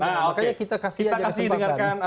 nah oke kita kasih kesempatan